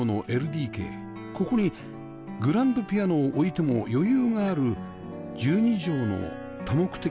ここにグランドピアノを置いても余裕がある１２畳の多目的